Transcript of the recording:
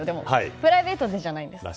プライベートじゃないです。